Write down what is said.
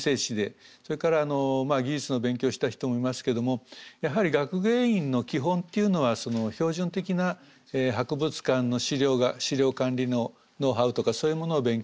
それから技術の勉強をした人もいますけどもやはり学芸員の基本っていうのは標準的な博物館の史料管理のノウハウとかそういうものを勉強して。